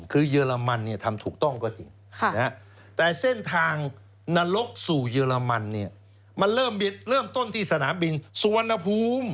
คือเยอรมันเนี่ยทำถูกต้องก็จริงแต่เส้นทางนรกสู่เยอรมันเนี่ยมันเริ่มต้นที่สนามบินสุวรรณภูมิ